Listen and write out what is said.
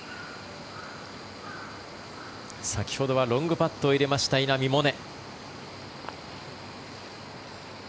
先ほどはロングパットを入れました、稲見萌寧。